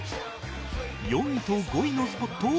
４位と５位のスポットをご紹介